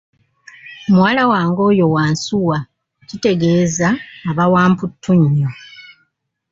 Muwala wange oyo wansuwa kitegeeza aba wa mputtu nnyo